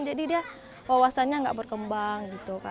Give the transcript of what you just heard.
jadi dia wawasannya tidak berkembang